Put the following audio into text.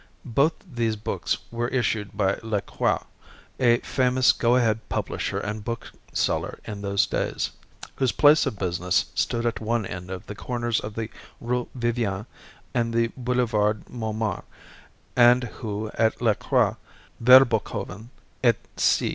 Both these books were issued by Lacroix, a famous go ahead publisher and bookseller in those days, whose place of business stood at one of the corners of the Rue Vivienne and the Boulevard Montmartre, and who, as Lacroix, Verboeckhoven et Cie.